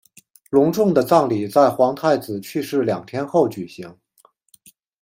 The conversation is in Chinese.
隆重的葬礼在皇太子去世两天后举行。